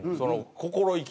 心意気。